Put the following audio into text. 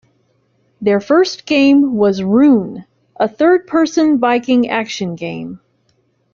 Their first game was "Rune", a third-person Viking action game.